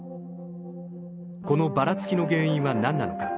このバラつきの原因はなんなのか。